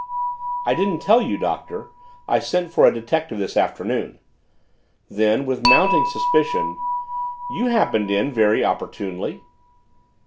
"I didn't tell you, Doctor I sent for a detective this afternoon." Then, with mounting suspicion, "You happened in very opportunely!"